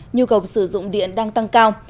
nhu cầu sử dụng điện đang tăng cao